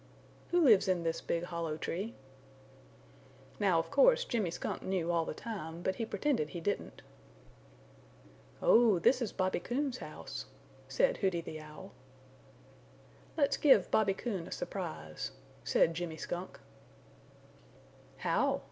"Who lives in this big hollow tree?" Now of course Jimmy Skunk knew all the time, but he pretended he didn't. "Oh, this is Bobby Coon's house," said Hooty the Owl. "Let's give Bobby Coon a surprise," said Jimmy Skunk. "How?"